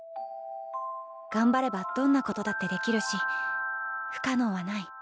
頑張ればどんなことだってできるし不可能はない。